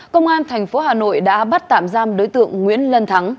công an tp hà nội đã bắt tạm giam đối tượng nguyễn lân thắng